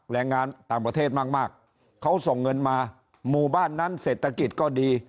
แรงงานต่างประเทศมากเขาส่งเงินมาหมู่บ้านนั้นเศรษฐกิจก็ดี